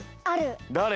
だれ？